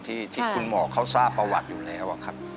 ที่คุณหมอเขาทราบประวัติอยู่แล้วครับ